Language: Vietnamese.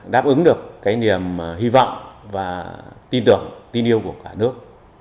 đáp ứng được cái niềm hy vọng và tin tưởng tin yêu của cả nước